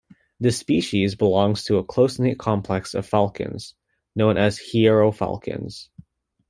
This species belongs to a close-knit complex of falcons known as hierofalcons.